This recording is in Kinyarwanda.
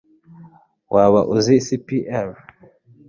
waba uzi cpr